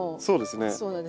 そうですね。